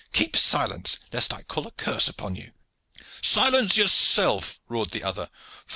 Keep silence, lest I call a curse upon you!" "Silence yourself!" roared the other.